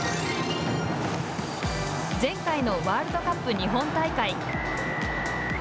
前回のワールドカップ日本大会。